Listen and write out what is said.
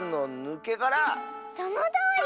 そのとおり！